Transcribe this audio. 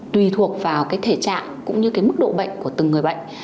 tùy thuộc vào cái thể trạng cũng như cái mức độ bệnh của từng người bệnh